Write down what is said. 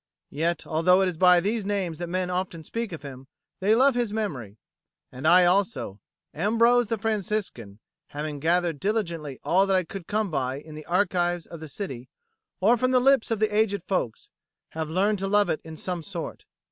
Yet, although it is by these names that men often speak of him, they love his memory; and I also, Ambrose the Franciscan, having gathered diligently all that I could come by in the archives of the city or from the lips of aged folk, have learned to love it in some sort.